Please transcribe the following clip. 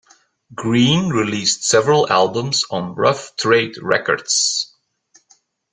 Green released several albums on Rough Trade Records.